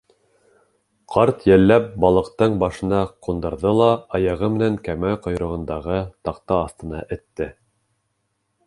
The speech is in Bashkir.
Ҡарт, йәлләп, балыҡтың башына ҡундырҙы ла аяғы менән кәмә ҡойроғондағы таҡта аҫтына этте.